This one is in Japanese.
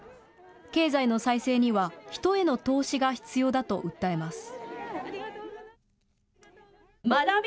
経済の再生には人への投資が必要だと訴えます。